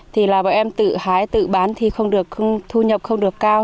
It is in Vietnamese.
thì là bọn em tự hái tự bán thì không được thu nhập không được cao